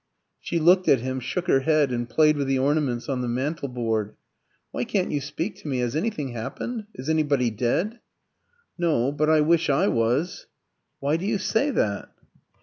She looked at him, shook her head, and played with the ornaments on the mantel board. "Why can't you speak to me? Has anything happened? Is anybody dead?" "No; but I wish I was." "Why do you say that?"